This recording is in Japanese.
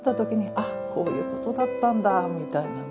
あこういうことだったんだみたいなね